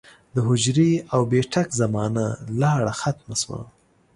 د حجرې او بېټک زمانه لاړه ختمه شوه